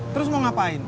terus mau ngapain